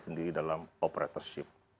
sendiri dalam operatorship